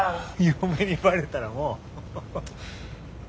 嫁にバレたらもう。